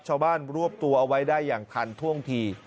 รวบตัวเอาไว้ได้อย่างทันท่วงที